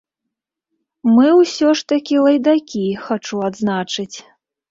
Мы ўсё ж такі лайдакі, хачу адзначыць.